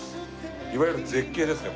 いわゆる絶景ですね